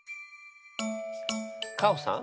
カホさん